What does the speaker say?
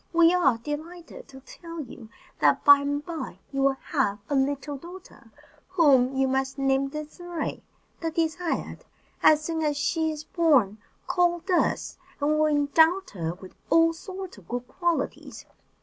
We are delighted to tell you that by and by you will have a little daughter, whom you must name Désirée the Desired. As soon as she is born, call us, and we will endow her with all sorts of good qualities.